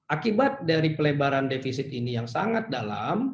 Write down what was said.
akibat dari pelebaran defisit ini yang sangat dalam